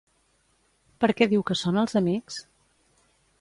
Per què diu que són els amics?